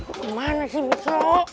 kemana sih misro